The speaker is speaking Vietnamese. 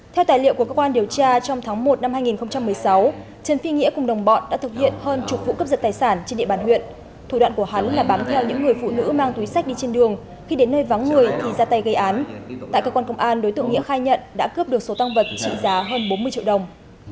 theo tài liệu của cơ quan điều tra trong tháng một năm hai nghìn một mươi sáu trần phi nghĩa cùng đồng bọn đã thực hiện hơn chục vụ cấp giật tài sản trên địa bàn huyện thủ đoạn của hắn là bám theo những người phụ nữ mang túi sách đi trên đường khi đến nơi vắng người thì ra tay gây án tại cơ quan công an đối tượng nghĩa khai nhận đã cướp được số tăng vật trị giá hơn bốn mươi triệu đồng